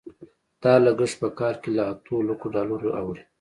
دا لګښت په کال کې له اتو لکو ډالرو اوړي.